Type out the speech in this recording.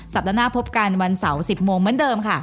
ด้านหน้าพบกันวันเสาร์๑๐โมงเหมือนเดิมค่ะ